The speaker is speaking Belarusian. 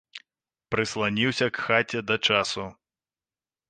Прысланіўся к хаце да часу.